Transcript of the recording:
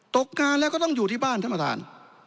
ตกงานแล้วก็ต้องอยู่ที่บ้านท่านประธาน